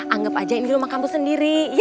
anggap aja ini rumah kampus sendiri